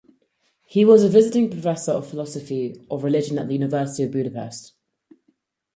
He was visiting professor of philosophy of religion at the University of Budapest.